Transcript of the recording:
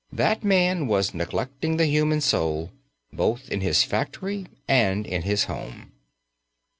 That man was neglecting the human soul, both in his factory and in his home.